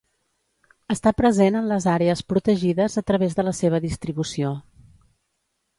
Està present en les àrees protegides a través de la seva distribució.